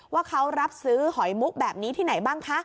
ว่าเขารับซื้อหอยมุกแบบนี้ที่ไหนบ้างคะ